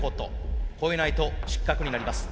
越えないと失格になります。